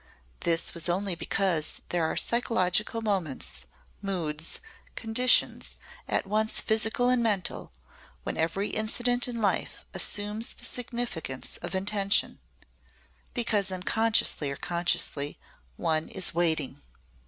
This was only because there are psychological moments, moods, conditions at once physical and mental when every incident in life assumes the significance of intention because unconsciously or consciously one is waiting.